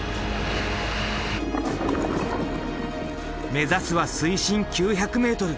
目指すは水深９００ｍ。